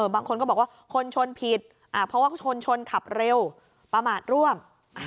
บางคนก็บอกว่าคนชนผิดเพราะว่าชนชนขับเร็วประมาทร่วม